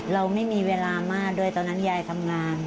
เราไม่มีเวลามากด้วยตอนนั้นยายทำงาน